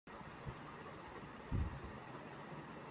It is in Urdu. اس سیب کا ذائقہ بہت کڑوا ہے۔